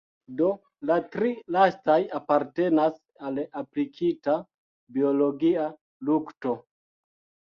Do la tri lastaj apartenas al aplikita biologia lukto.